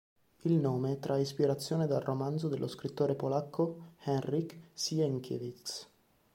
Il nome trae ispirazione dal romanzo dello scrittore polacco Henryk Sienkiewicz.